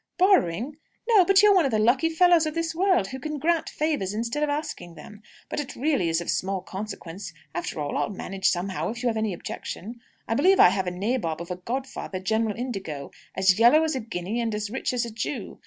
"Borrowing! No; you're one of the lucky folks of this world, who can grant favours instead of asking them. But it really is of small consequence, after all; I'll manage somehow, if you have any objection. I believe I have a nabob of a godfather, General Indigo, as yellow as a guinea and as rich as a Jew.